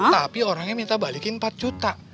tapi orangnya minta balikin empat juta